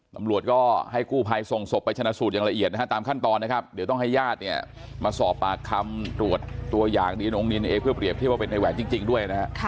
ตำรวจก็ให้กู้ภัยส่งศพไปชนะสูตรอย่างละเอียดนะฮะตามขั้นตอนนะครับเดี๋ยวต้องให้ญาติเนี่ยมาสอบปากคำตรวจตัวอย่างดีน้องนินเอเพื่อเปรียบเทียบว่าเป็นในแหวนจริงด้วยนะฮะ